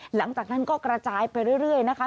หลังจากนั้นก็กระจายไปเรื่อยนะคะ